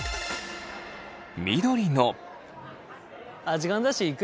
時間だし行く？